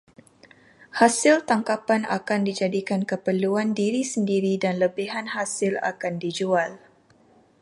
Hasil tangkapan akan dijadikan keperluan diri sendiri dan lebihan hasil akan dijual.